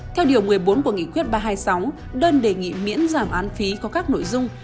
theo điều một mươi bốn của nghị quyết ba trăm hai mươi sáu đơn đề nghị miễn giảm án phí có các nội dung